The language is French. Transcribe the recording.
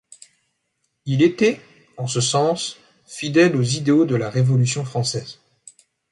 Il était, en ce sens, fidèle aux idéaux de la Révolution française.